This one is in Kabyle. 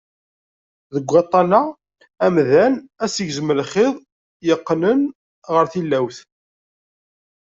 Deg waṭṭan-a, amdan ad as-igzem lxiḍ yeqqnen ar tilawt.